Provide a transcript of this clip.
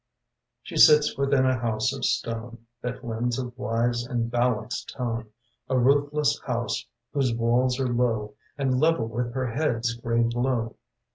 She sits within a house of stone That lends a wise and balanced tone: A roofless house whose walls are low And level with her head's grey glow.